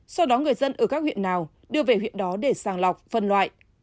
sau đó người dân ở các huyện nào đưa về huyện đó để sàng lọc phân loại